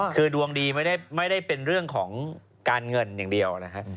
คือดวงดีไม่ได้เป็นเรื่องของการเงินอย่างเดียวนะครับ